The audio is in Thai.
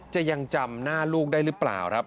จะยังจำหน้าลูกได้หรือเปล่าครับ